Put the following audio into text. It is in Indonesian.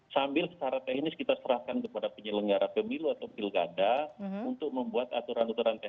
sambil secara teknis kita serahkan kepada penyelenggara pemilu atau pilkada untuk membuat aturan uturan teknis yang lebih lengkap